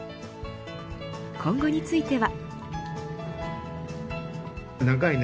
今後については。